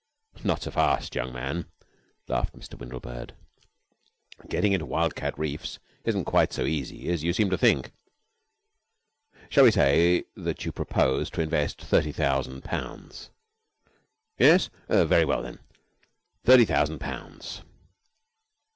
"Not so fast, young man," laughed Mr. Windlebird. "Getting into Wildcat Reefs isn't quite so easy as you seem to think. Shall we say that you propose to invest thirty thousand pounds? Yes? Very well, then. Thirty thousand pounds!